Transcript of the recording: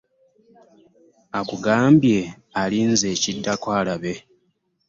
Akugambye alinze kiddako alabe.